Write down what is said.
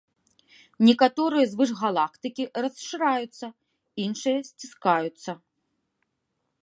Некаторыя звышгалактыкі расшыраюцца, іншыя сціскаюцца.